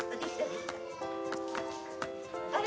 あれ？